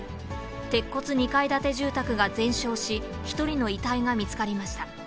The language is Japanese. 鉄骨２階建て住宅が全焼し、１人の遺体が見つかりました。